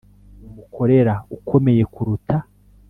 umukorera ukomeye kuruta